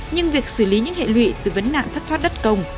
nhưng việc xử lý những hệ lụy từ vấn nạn thất thoát đất công